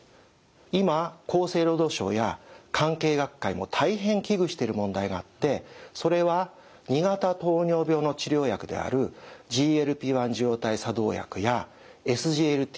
今厚生労働省や関係学会も大変危惧している問題があってそれは２型糖尿病の治療薬であるＧＬＰ−１受容体作動薬やＳＧＬＴ